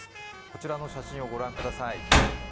こちらの写真を御覧ください。